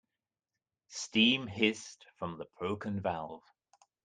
Steam hissed from the broken valve.